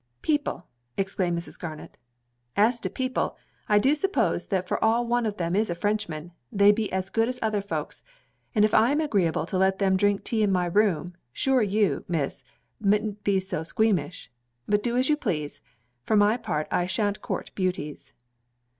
'People!' exclaimed Mrs. Garnet; 'as to people, I do suppose that for all one of them is a Frenchman, they be as good as other folks; and if I am agreeable to let them drink tea in my room, sure you, Miss, mid'nt be so squeamish. But do as you please; for my part I shan't court beauties.'